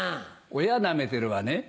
親ナメてるわね。